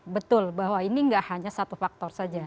betul bahwa ini nggak hanya satu faktor saja